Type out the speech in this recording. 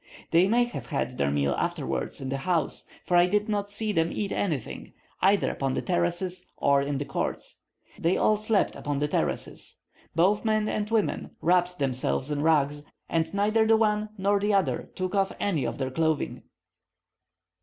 They may have had their meal afterwards in the house, for I did not see them eat anything, either upon the terraces or in the courts. They all slept upon the terraces. Both men and women wrapped themselves in rugs, and neither the one nor the other took off any of their clothing.